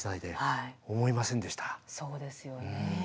そうですよね。